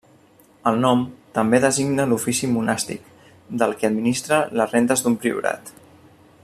El nom també designa l'ofici monàstic del qui administra les rendes d'un priorat.